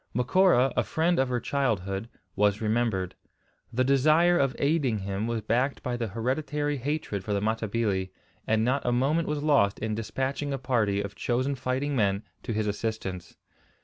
Macora, a friend of her childhood, was remembered. The desire of aiding him was backed by the hereditary hatred for the Matabili, and not a moment was lost in despatching a party of chosen fighting men to his assistance.